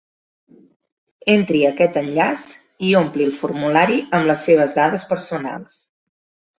Entri a aquest enllaç i ompli el formulari amb les seves dades personals.